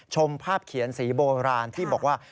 ชมภาพเขียนสีโบราณที่บอกว่า